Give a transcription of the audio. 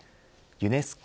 ユネスコ